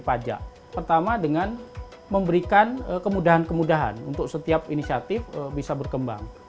pertama dengan memberikan kemudahan kemudahan untuk setiap inisiatif bisa berkembang